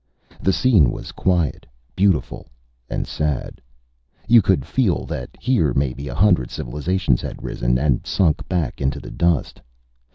The scene was quiet, beautiful and sad. You could feel that here maybe a hundred civilizations had risen, and had sunk back into the dust.